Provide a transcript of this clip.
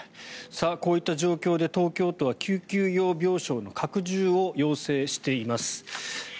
こういった状況で東京都は救急用病床の拡充を要請しています。